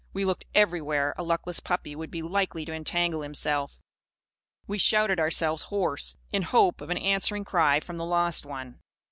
We looked everywhere a luckless puppy would be likely to entangle himself. We shouted ourselves hoarse, in hope of an answering cry from the lost one.